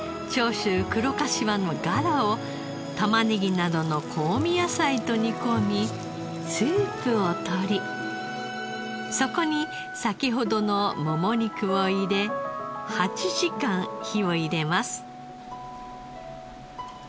黒かしわのガラをたまねぎなどの香味野菜と煮込みスープをとりそこに先ほどのもも肉を入れ８時間火を入れます。